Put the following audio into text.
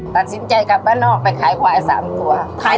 ตัดสินใจกลับบ้านนอกไปขายควาย๓ตัว